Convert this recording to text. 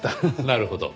なるほど。